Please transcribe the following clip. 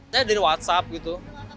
saya dari whatsapp gitu